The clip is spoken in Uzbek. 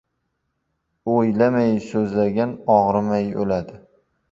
• O‘ylamay so‘zlagan og‘rimay o‘ladi.